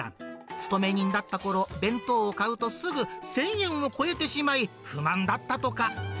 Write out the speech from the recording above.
勤め人だったころ、弁当を買うと、すぐ１０００円を超えてしまい、不満だったとか。